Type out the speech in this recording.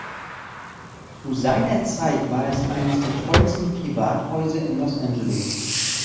Zu seiner Zeit war es eines der teuersten Privathäuser in Los Angeles.